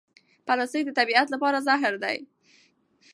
پلاستیک د طبیعت لپاره زهر دی.